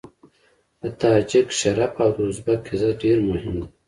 د تاجک شرف او د ازبک عزت ډېر مهم دی.